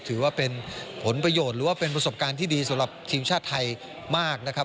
ถือว่าเป็นผลประโยชน์หรือว่าเป็นประสบการณ์ที่ดีสำหรับทีมชาติไทยมากนะครับ